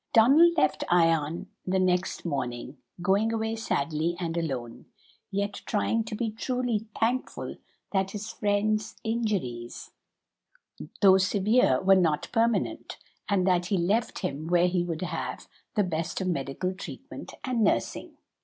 Donald left Ion the next morning, going away sadly and alone, yet trying to be truly thankful that his friend's injuries, though severe, were not permanent, and that he left him where he would have the best of medical treatment and nursing.